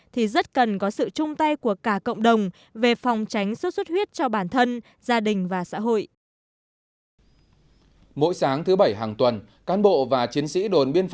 thì rất cần có sự chung tay của cả cộng đồng về phòng tránh sốt xuất huyết cho bản thân gia đình và xã hội